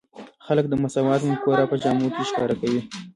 خلک د مساوات مفکوره په جامو کې ښکاره کوي.